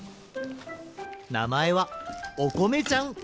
なまえはおこめちゃん！